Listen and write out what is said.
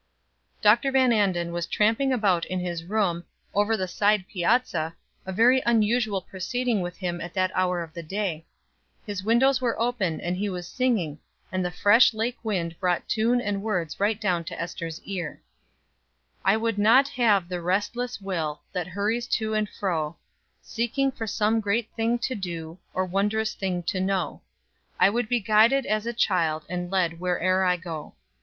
Dr. Van Anden was tramping about in his room, over the side piazza, a very unusual proceeding with him at that hour of the day; his windows were open, and he was singing, and the fresh lake wind brought tune and words right down to Ester's ear: "I would not have the restless will That hurries to and fro, Seeking for some great thing to do, Or wondrous thing to know; I would be guided as a child, And led where'er I go.